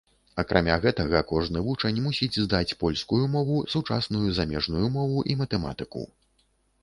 Акрамя гэтага кожны вучань мусіць здаць польскую мову, сучасную замежную мову і матэматыку.